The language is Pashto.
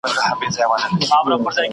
بل مضمون او بل کتاب دی